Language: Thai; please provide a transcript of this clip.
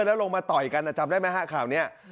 แล้วลงมาต่อยกันจำได้ไหมฮะข่าวนี้